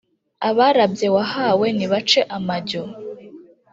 abarabye wahawe nibace amajyo,